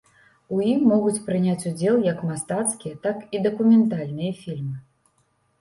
У ім могуць прыняць удзел як мастацкія, так і дакументальныя фільмы.